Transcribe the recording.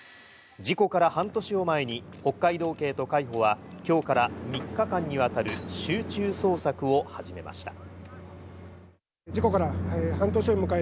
事故から半年を前に北海道警と海保は今日から３日間にわたる集中捜索を始めました。